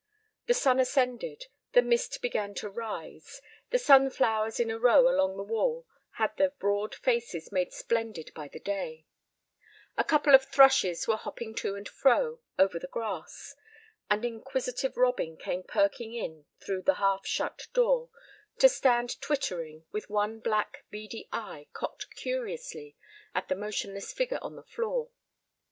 The sun ascended, the mist began to rise, the sunflowers in a row along the wall had their broad faces made splendid by the day. A couple of thrushes were hopping to and fro over the grass. An inquisitive robin came perking in through the half shut door, to stand twittering with one black, beady eye cocked curiously at the motionless figure on the floor.